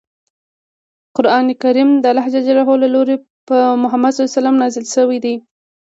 قران کریم دالله ج له لوری په محمد ص نازل شوی دی.